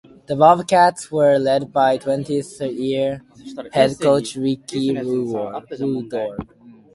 The Bobcats were led by twentieth year head coach Ricci Woodard.